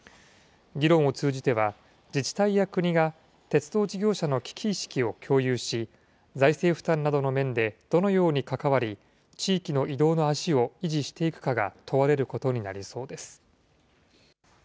議論を通じては、自治体や国が鉄道事業者の危機意識を共有し、財政負担などの面でどのように関わり、地域の移動の足を維持していくかが問われることになりそうです。